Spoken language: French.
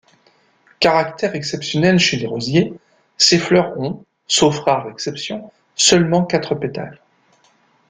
Caractère exceptionnel chez les rosiers, ces fleurs ont, sauf rare exception, seulement quatre pétales.